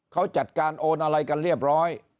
เขาจัดการโอนอะไรกันเรียบร้อย